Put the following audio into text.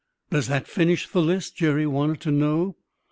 "Does that finish the list?" Jerry wanted to know.